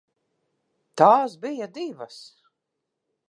Tās bija divas.